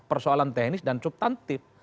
persoalan teknis dan subtantif